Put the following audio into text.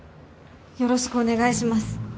よろしくお願いします。